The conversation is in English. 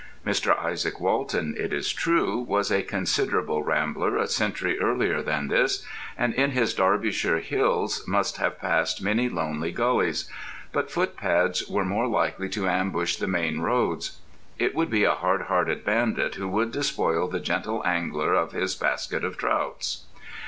Mr. Isaac Walton, it is true, was a considerable rambler a century earlier than this, and in his Derbyshire hills must have passed many lonely gullies; but footpads were more likely to ambush the main roads. It would be a hardhearted bandit who would despoil the gentle angler of his basket of trouts.